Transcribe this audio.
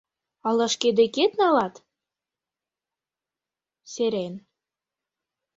Ала шке декет налат?..» — серен.